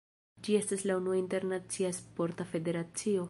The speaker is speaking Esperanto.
Ĝi estas la unua internacia sporta federacio.